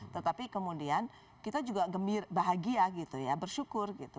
tetapi kemudian kita juga bahagia gitu ya bersyukur gitu